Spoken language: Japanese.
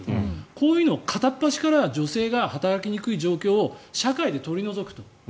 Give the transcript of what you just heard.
こういうのを片っ端から女性が働きにくい状況を社会で取り除くと。